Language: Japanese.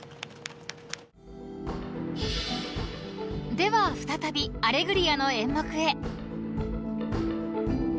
［では再び『アレグリア』の演目へ］